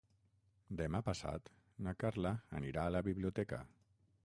Demà passat na Carla anirà a la biblioteca.